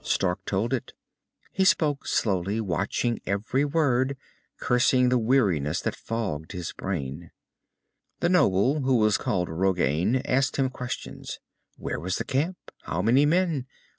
Stark told it. He spoke slowly, watching every word, cursing the weariness that fogged his brain. The noble, who was called Rogain, asked him questions. Where was the camp? How many men?